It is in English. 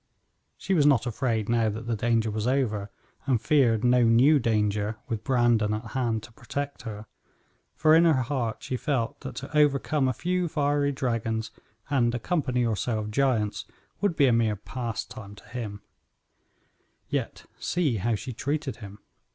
She was not afraid now that the danger was over, and feared no new danger with Brandon at hand to protect her, for in her heart she felt that to overcome a few fiery dragons and a company or so of giants would be a mere pastime to him; yet see how she treated him.